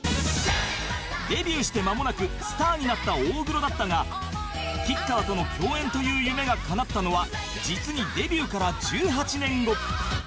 デビューして間もなくスターになった大黒だったが吉川との共演という夢が叶ったのは実にデビューから１８年後